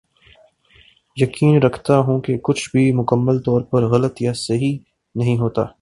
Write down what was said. یقین رکھتا ہوں کہ کچھ بھی مکمل طور پر غلط یا صحیح نہیں ہوتا